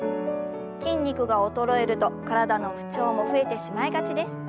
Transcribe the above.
筋肉が衰えると体の不調も増えてしまいがちです。